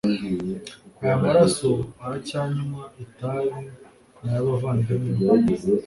aya maraso aracyanywa itabi ni ayabavandimwe be